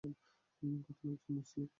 খাতুন একজন মুসলিম।